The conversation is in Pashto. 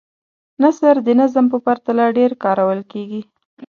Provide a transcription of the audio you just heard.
نثر د نظم په پرتله ډېر کارول کیږي.